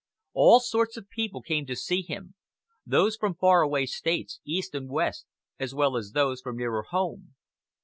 All sorts of people came to see him: those from far away States, East and West, as well as those from nearer home.